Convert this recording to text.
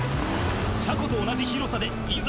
車庫と同じ広さでいざ